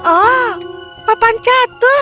oh papan catur